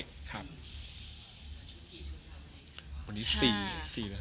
จะรักเธอเพียงคนเดียว